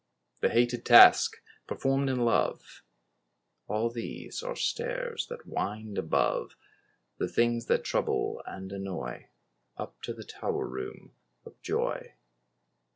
The hated task performed in love— All these are stairs that wind above The things that trouble and annoy, Up to the Tower room of joy.